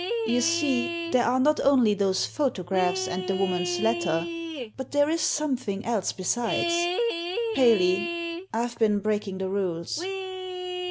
You see, there are not only those photographs and the woman's letter, but there is something else besides. Paley, I've been breaking the rules."